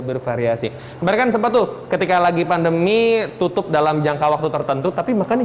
bervariasi mereka sempat tuh ketika lagi pandemi tutup dalam jangka waktu tertentu tapi makanya